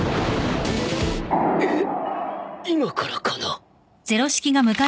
えっ今からかな？